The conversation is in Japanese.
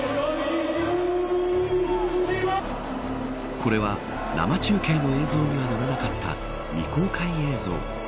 これは、生中継の映像にはのらなかった未公開映像。